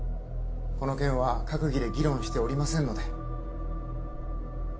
この件は閣議で議論しておりませんので。